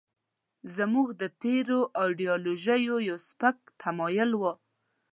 زموږ د تېرو ایډیالوژیو یو سپک تمایل و.